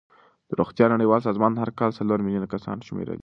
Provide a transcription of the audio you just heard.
د روغتیا نړیوال سازمان هر کال څلور میلیون کسان شمېرلې.